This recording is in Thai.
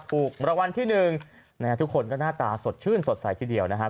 ถูกรางวัลที่หนึ่งทุกคนก็หน้าตาสดชื่นสดใสทีเดียวนะครับ